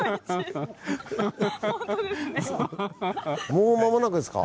もう間もなくですか。